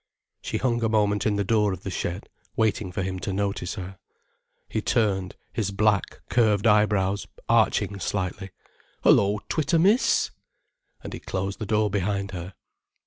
She hung a moment in the door of the shed, waiting for him to notice her. He turned, his black, curved eyebrows arching slightly. "Hullo, Twittermiss!" And he closed the door behind her.